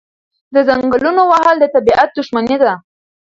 د ځنګلونو وهل د طبیعت دښمني ده.